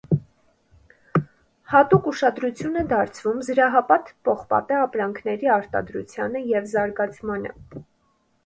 Հատուկ ուշադրություն է դարձվում զրահապատ պողպատե ապրանքների արտադրությանը և զարգացմանը։